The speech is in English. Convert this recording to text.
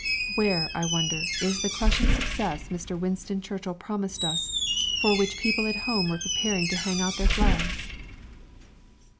Where, I wonder, is the crushing success Mr. Winston Churchill promised us, for which people at home were preparing to hang out their flags?